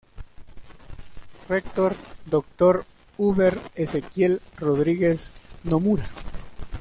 Rector: Dr. Hubert Ezequiel Rodríguez Nomura.